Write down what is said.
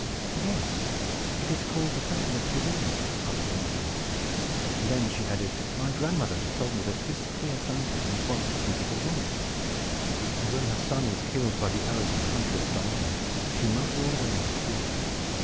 "Yes; it is called the Fountain of Pirene," answered the maiden; and then she added, "My grandmother has told me that this clear fountain was once a beautiful woman; and when her son was killed by the arrows of the huntress Diana, she melted all away into tears.